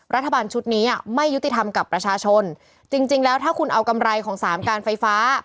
รัฐบาลชุดนี้ไม่ยุติธรรมกับประชาชนจริงจริงแล้วถ้าคุณเอากำไรของสามการไฟฟ้า